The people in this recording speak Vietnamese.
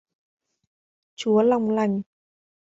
chúa lòng lành